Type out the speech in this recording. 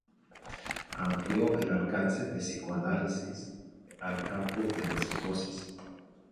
Amplió el alcance del psicoanálisis al campo de la psicosis.